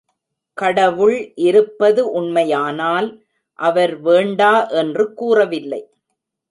கடவுள் இருப்பது உண்மையானால், அவர் வேண்டா என்று கூறவில்லை.